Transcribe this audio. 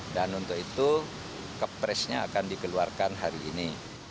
dan untuk itu capresnya akan dikeluarkan hari ini